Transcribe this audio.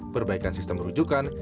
perbaikan sistem rujukan